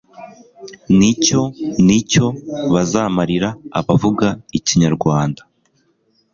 nicyo nicyo bizamarira abavuga ikinyarwanda.